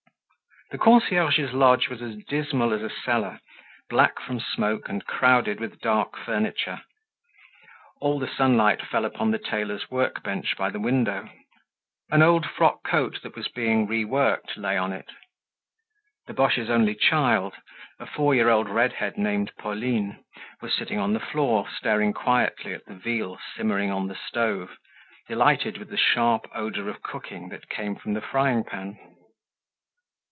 The concierge's lodge was as dismal as a cellar, black from smoke and crowded with dark furniture. All the sunlight fell upon the tailor's workbench by the window. An old frock coat that was being reworked lay on it. The Boches' only child, a four year old redhead named Pauline, was sitting on the floor, staring quietly at the veal simmering on the stove, delighted with the sharp odor of cooking that came from the frying pan.